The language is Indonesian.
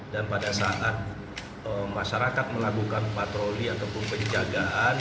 dan pada saat masyarakat melakukan patroli ataupun penjagaan